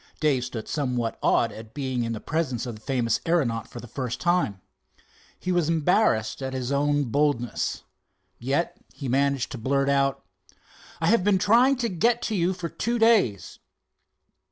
Dave stood somewhat awed at being in the presence of the famous aeronaut for the first time. He was embarrassed at his own boldness. Yet he managed to blurt out: "I have been trying to get to you for two days."